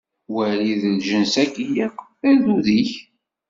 Wali-d lǧens-agi, yak d agdud-ik!